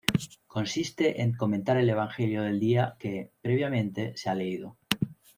Consiste en comentar el Evangelio del día que, previamente, se ha leído.